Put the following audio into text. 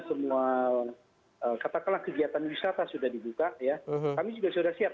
semua katakanlah kegiatan wisata sudah dibuka ya kami juga sudah siap